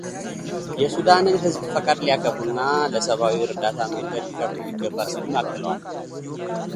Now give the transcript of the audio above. የሱዳንን ሕዝብ ፈቃድ ሊያከብሩና ለሰብአዊ እርዳታ መንገድ ሊከፍቱም ይገባል ሲሉም አክለዋል።